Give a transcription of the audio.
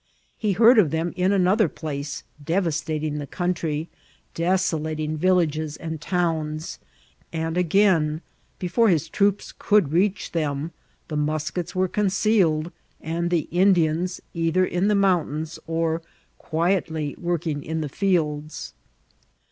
He heard of them in another place, devastating the country, desolating vil* lages and towns, and again, before his troops could reach them, the muskets were concealed, and the In* dians either in the mountains or quietly working in the fields.